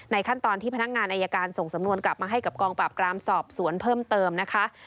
ขั้นตอนที่พนักงานอายการส่งสำนวนกลับมาให้กับกองปราบกรามสอบสวนเพิ่มเติมนะคะ